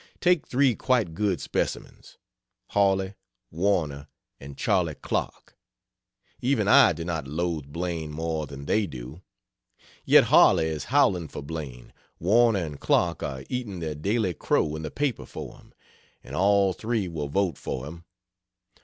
Take three quite good specimens Hawley, Warner, and Charley Clark. Even I do not loathe Blaine more than they do; yet Hawley is howling for Blaine, Warner and Clark are eating their daily crow in the paper for him, and all three will vote for him.